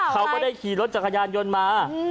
เขาก็ได้ขี่รถจักรยานยนต์มา